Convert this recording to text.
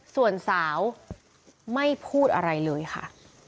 ส่วนสาวไม่พูดอะไรเลยค่ะ